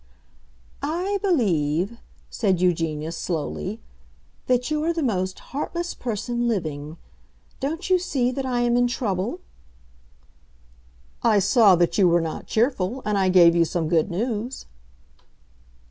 "I believe," said Eugenia, slowly, "that you are the most heartless person living. Don't you see that I am in trouble?" "I saw that you were not cheerful, and I gave you some good news."